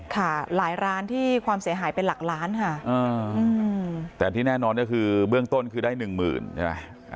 ค่ะหลายร้านที่ความเสียหายเป็นหลักล้านค่ะแต่ที่แน่นอนก็คือเบื้องต้นคือได้หนึ่งหมื่นใช่ไหม